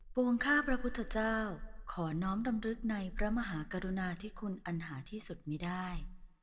วงข้าพระพุทธเจ้าขอน้อมดำรึกในพระมหากรุณาที่คุณอันหาที่สุดมีได้